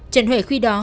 trần huệ khi đó